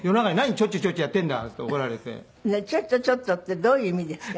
「ちょっとちょっと」ってどういう意味ですか？